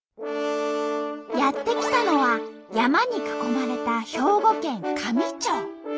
やって来たのは山に囲まれた兵庫県香美町。